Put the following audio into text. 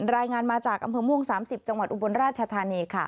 รายงานมาจากอำเภอม่วง๓๐จังหวัดอุบลราชธานีค่ะ